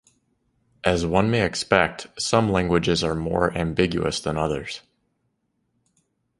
As one may expect, some languages are more ambiguous than others.